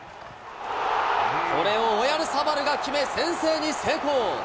これをオヤルサバルが決め、先制に成功。